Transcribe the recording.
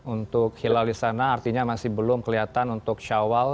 untuk hilal di sana artinya masih belum kelihatan untuk syawal